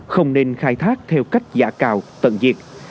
không nên khai thác theo cách giả cào tận diệt